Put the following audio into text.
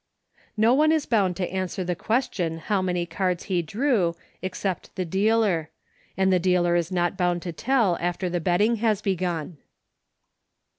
No one is bound to answer the question how many cards he drew, except the dealer ; and the dealer is not bound to tell after the betting has begun.